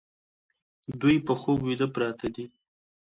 دوی په خوب ویده پراته دي